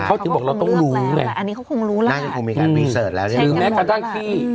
เขาก็บอกเราต้องรู้แม่น้ำเทศวิวแม่การตั้งที่